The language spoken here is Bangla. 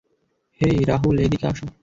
হে, রাহুল, এদিকে আসো।